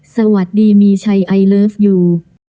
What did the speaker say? สวัสดีมีชัยไอเลิฟยู